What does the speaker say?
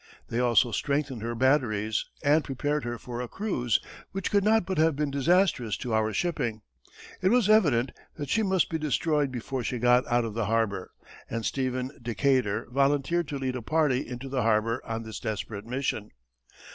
They also strengthened her batteries, and prepared her for a cruise, which could not but have been disastrous to our shipping. It was evident that she must be destroyed before she got out of the harbor, and Stephen Decatur volunteered to lead a party into the harbor on this desperate mission.